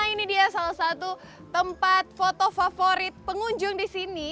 ini dia salah satu tempat foto favorit pengunjung di sini